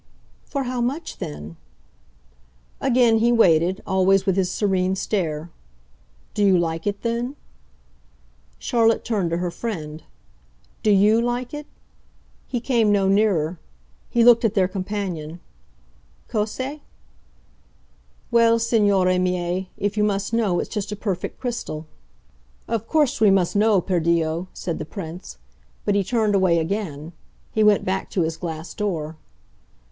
"For how much then?" Again he waited, always with his serene stare. "Do you like it then?" Charlotte turned to her friend. "Do YOU like it?" He came no nearer; he looked at their companion. "Cos'e?" "Well, signori miei, if you must know, it's just a perfect crystal." "Of course we must know, per Dio!" said the Prince. But he turned away again he went back to his glass door.